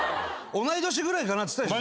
同い年ぐらいかなっつったでしょ。